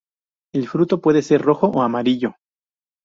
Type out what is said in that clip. El fruto puede ser rojo o amarillo.